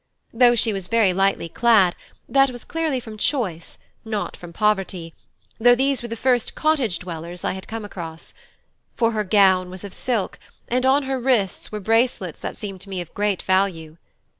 Though she was very lightly clad, that was clearly from choice, not from poverty, though these were the first cottage dwellers I had come across; for her gown was of silk, and on her wrists were bracelets that seemed to me of great value.